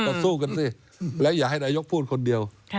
ก็สู้กันสิแล้วอย่าให้นายกพูดคนเดียว